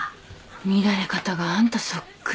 乱れ方があんたそっくり。